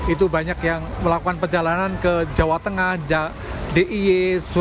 itu banyak yang melakukan perjalanan ke jawa tengah diy surabaya jawa timur